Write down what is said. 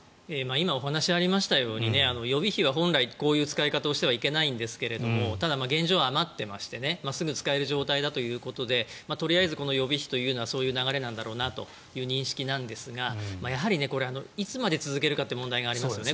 今、お話がありましたように予備費は本来こういう使い方をしてはいけないんですがただ、現状余っていましてすぐに使える状態だということでとりあえず予備費というのはそういう流れなんだろうという認識ですがやはりいつまで続けるかという問題がありますよね。